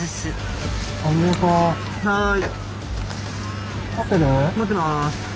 はい。